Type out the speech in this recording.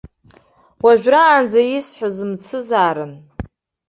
Уажәраанӡа исҳәоз мцызаарын.